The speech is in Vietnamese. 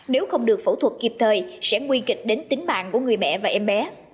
nếu không được phẫu thuật kịp thời sẽ nguy kịch đến tính mạng của người mẹ và em bé